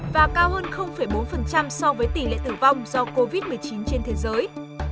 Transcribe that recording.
và cao hơn bốn so với tỷ lệ tử vong do covid một mươi chín trên thế giới